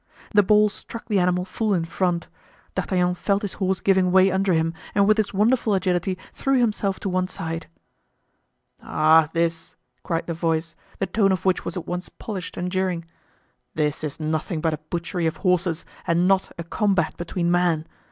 The ball struck the animal full in front. D'Artagnan felt his horse giving way under him and with his wonderful agility threw himself to one side. "Ah! this," cried the voice, the tone of which was at once polished and jeering, "this is nothing but a butchery of horses and not a combat between men.